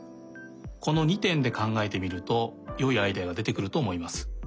この２てんでかんがえてみるとよいアイデアがでてくるとおもいます。